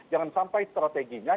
jangan sampai strateginya